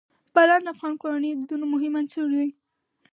باران د افغان کورنیو د دودونو مهم عنصر دی.